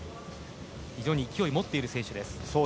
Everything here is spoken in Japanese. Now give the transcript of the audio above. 非常に勢いを持っている選手です。